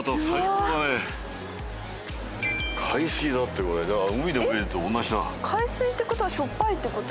うわっ海水だってこれだから海で泳いでるのと同じだ海水ってことはしょっぱいってこと？